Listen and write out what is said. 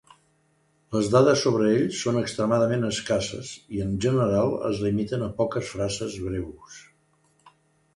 Les dades sobre ells són extremadament escassos i en general es limiten a poques frases breus.